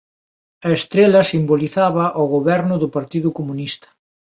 A estrela simbolizaba ao goberno do Partido Comunista.